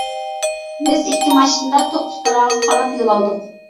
بىز ئىككى ماشىنىدا توققۇزتاراغا قاراپ يول ئالدۇق.